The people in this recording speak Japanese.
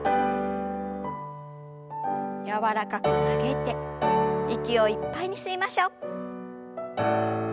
柔らかく曲げて息をいっぱいに吸いましょう。